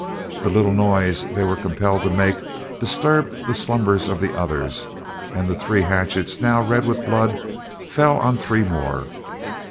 The little noise they were compelled to make disturbed the slumbers of the others, and the three hatchets, now red with blood, fell on three more.